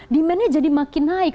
demandnya jadi makin naik